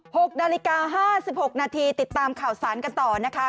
หกนาฬิกาห้าสิบหกนาทีติดตามข่าวสารกันต่อนะคะ